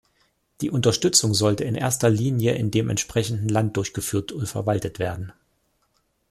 Die Unterstützung sollte in erster Linie in dem entsprechenden Land durchgeführt und verwaltet werden.